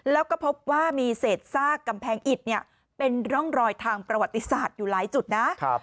แล้วก็พบว่ามีเศษซากกำแพงอิดเป็นร่องรอยทางประวัติศาสตร์อยู่หลายจุดนะ